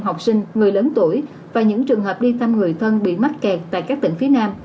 học sinh người lớn tuổi và những trường hợp đi thăm người thân bị mắc kẹt tại các tỉnh phía nam